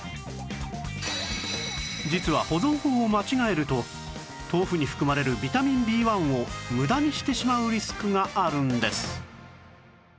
実は保存法を間違えると豆腐に含まれるビタミン Ｂ１ を無駄にしてしまうリスクがあるんです